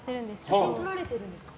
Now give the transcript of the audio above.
写真撮られてるんですか。